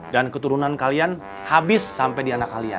dan keturunan kalian habis sampai di anak kalian